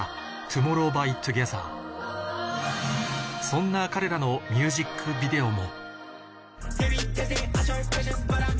そんな彼らのミュージックビデオも